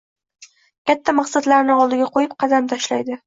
Katta maqsadlarni oldiga qoʻyib qadam tashlaydi.